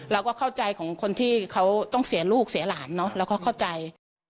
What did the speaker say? เราก็เข้าใจของคนที่เขาต้องเสียลูกเสียหลานเนอะเราก็เข้าใจ